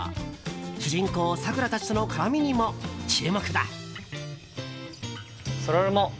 主人公さくらたちとの絡みにも注目だ！